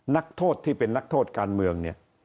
นักโทษที่เป็นนักโทษการเมืองเนี่ย